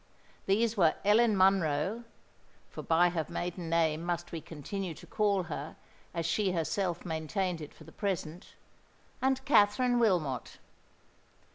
These were Ellen Monroe—(for by her maiden name must we continue to call her, as she herself maintained it for the present)—and Katherine Wilmot.